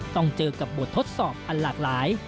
ต้องเจอกับบททดสอบอันหลากหลาย